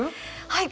はい。